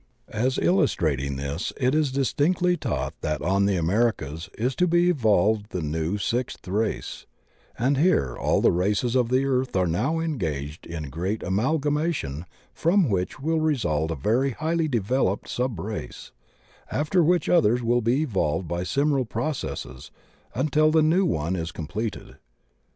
As illustrating this, it is distinctly taught that on the Americas is to be evolved the new — ^sixth — ^race; and here all the races of the earth are now engaged in a great amalgamation from which will result a very highly developed sub race, after which others wiU be MONADS ESSENTUL TO EVOLUTION 27 evolved by similar processes until the new one is com pleted.